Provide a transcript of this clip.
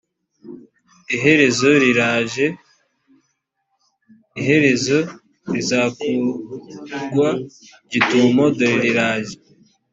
iherezo riraje iherezo rizakugwa gitumo dore riraje